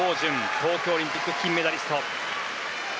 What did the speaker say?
東京オリンピック金メダリスト。